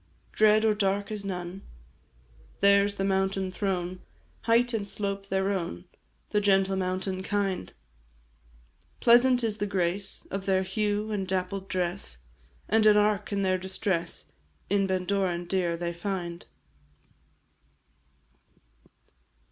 Dread or dark is none; Their 's the mountain throne, Height and slope their own, The gentle mountain kind; Pleasant is the grace Of their hue, and dappled dress, And an ark in their distress, In Bendorain dear they find.